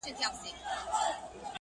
په دې باب دي څه لوستلي دي که نه دي،